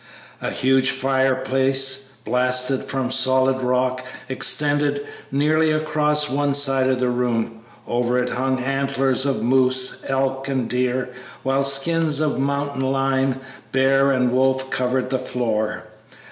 A huge fireplace, blasted from solid rock, extended nearly across one side of the room. Over it hung antlers of moose, elk, and deer, while skins of mountain lion, bear, and wolf covered the floor.